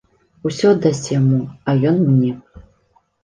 Усё аддасць яму, а ён мне.